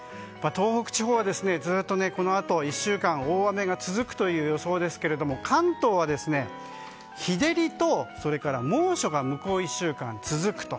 東北地方はこのあと１週間大雨が続く予想ですけども関東は日照りと猛暑が向こう１週間続くと。